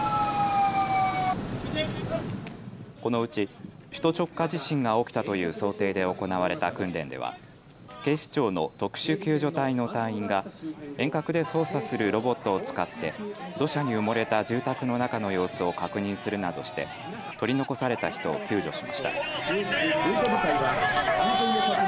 このうち首都直下地震が起きたという想定で行われた訓練では警視庁の特殊救助隊の隊員が遠隔で操作するロボットを使って土砂に埋もれた住宅の中の様子を確認するなどして取り残された人を救助しました。